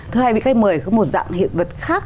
thưa hai vị khách mời có một dạng hiện vật khác